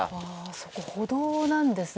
そこ、歩道なんですね。